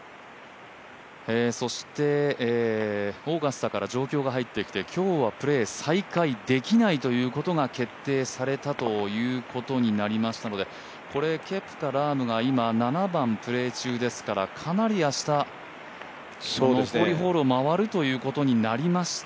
そして、オーガスタから状況が入ってきて今日はプレー再開できないということが決定されたということになりましたのでこれ、ケプカ、ラームが７番プレー中ですからかなり明日、残りホールを回るということになりました。